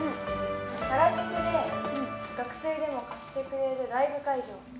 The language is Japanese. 原宿で学生でも貸してくれるライブ会場。